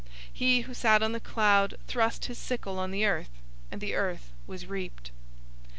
014:016 He who sat on the cloud thrust his sickle on the earth, and the earth was reaped.